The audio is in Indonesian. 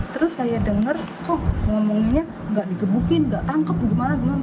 terus saya dengar kok ngomongnya gak digebukin gak tangkep gimana gimana